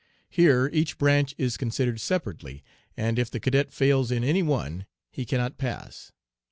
Here each branch is considered separately, and if the cadet fails in any one he cannot pass.